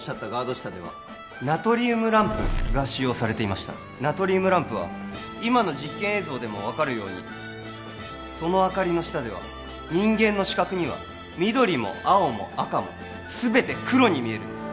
下ではナトリウムランプが使用されていましたナトリウムランプは今の実験映像でも分かるようにその明かりの下では人間の視覚には緑も青も赤も全て黒に見えるんです